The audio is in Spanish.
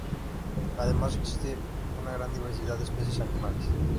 Además, existe una gran diversidad de especies animales.